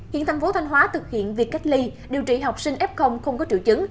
hiện thành phố thanh hóa thực hiện việc cách ly điều trị học sinh f không có triệu chứng